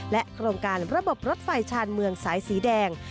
โครงการระบบรถไฟชาญเมืองสายสีแดง